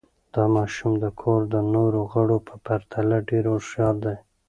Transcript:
دا ماشوم د کور د نورو غړو په پرتله ډېر هوښیار دی.